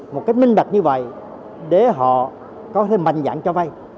một cách minh bạch như vậy để họ có thể mạnh dạng cho vay